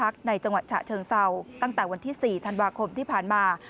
ตั้งแต่วันที่๔ธันวาคมที่ผ่านมา